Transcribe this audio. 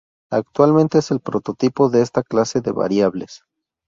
Actualmente es el prototipo de esta clase de variables.